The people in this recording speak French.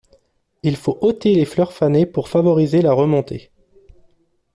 Il faut ôter les fleurs fanées pour favoriser la remontée.